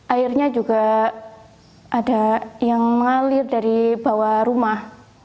airnya juga ada yang mengalir dari bawah rumah